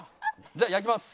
じゃあ焼きます。